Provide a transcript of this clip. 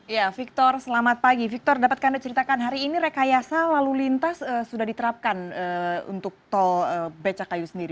ya victor selamat pagi victor dapatkah anda ceritakan hari ini rekayasa lalu lintas sudah diterapkan untuk tol becakayu sendiri